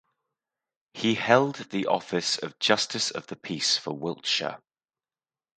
He held the office of Justice of the Peace for Wiltshire.